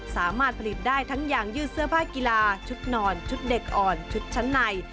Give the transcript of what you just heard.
สามารถผลิตได้ทั้งอย่างยืดเสื้อผ้ากีฬาชุดนอนชุดเด็กอ่อนชุดชั้นใน